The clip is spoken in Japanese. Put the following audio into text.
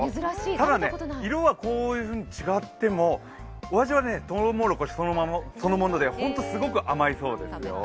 ただ、色がこういうふうに違ってもお味はとうもろこしそのもので、ホントにすごく甘いそうですよ。